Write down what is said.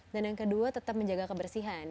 dan yang kedua tetap menjaga kebersihan